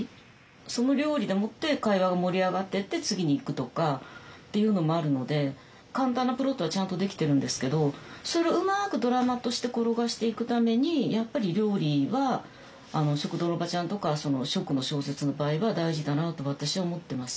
その料理でもって会話が盛り上がってって次に行くとかっていうのもあるので簡単なプロットはちゃんと出来てるんですけどそれをうまくドラマとして転がしていくためにやっぱり料理は「食堂のおばちゃん」とか食の小説の場合は大事だなと私は思ってます。